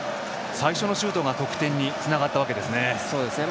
最初のシュートが得点につながったわけですね。